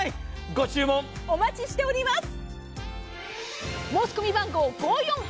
ご注文お待ちしております。